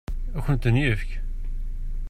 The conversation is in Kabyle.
Ad akent-ten-yefk?